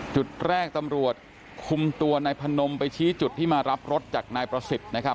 จุดแรกตำรวจคุมตัวนายพนมไปชี้จุดที่มารับรถจากนายประสิทธิ์